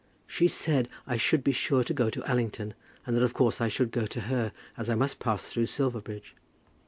"She said I should be sure to go to Allington, and that of course I should go to her, as I must pass through Silverbridge."